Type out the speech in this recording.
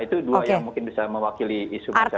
itu dua yang mungkin bisa mewakili isu besar